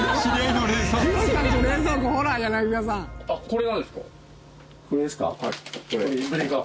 これなんですか？